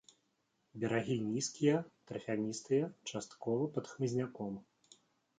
Берагі нізкія, тарфяністыя, часткова пад хмызняком.